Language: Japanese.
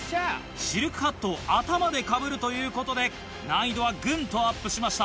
シルクハットを頭でかぶるということで難易度はぐんとアップしました。